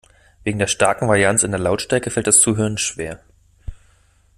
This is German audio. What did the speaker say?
Wegen der starken Varianz in der Lautstärke fällt das Zuhören schwer.